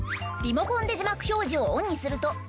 リモコンで字幕表示をオンにすると。